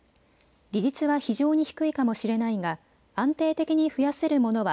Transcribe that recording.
利率は非常に低いかもしれないが安定的に増やせるものは